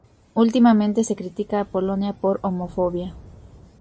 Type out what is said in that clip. Últimamente se critica a Polonia por homofobia.